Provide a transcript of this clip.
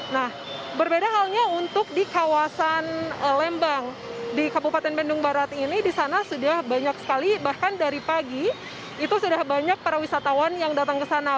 nah berbeda halnya untuk di kawasan lembang di kabupaten bandung barat ini di sana sudah banyak sekali bahkan dari pagi itu sudah banyak para wisatawan yang datang ke sana